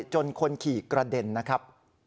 จนคนขี่กระเด็นนะครับ